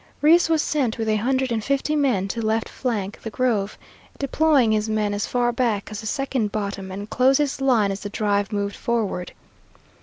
Reese was sent with a hundred and fifty men to left flank the grove, deploying his men as far back as the second bottom, and close his line as the drive moved forward.